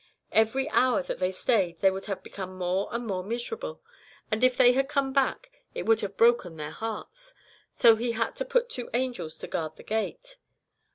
Every hour that they stayed they would have become more and more miserable; and if they had come back it would have broken their hearts, so He had to put two angels to guard the gate.